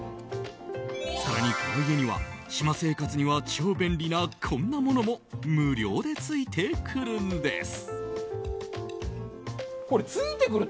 更に、この家には島生活には超便利なこんなものも無料でついてくるんです。